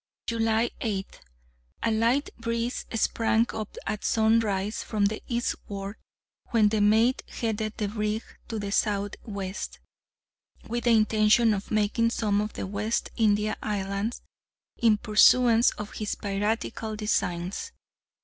July 8th. A light breeze sprang up at sunrise from the eastward, when the mate headed the brig to the southwest, with the intention of making some of the West India islands in pursuance of his piratical designs.